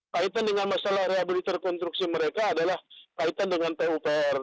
kaitan dengan masalah rehabilitasi rekonstruksi mereka adalah kaitan dengan tupr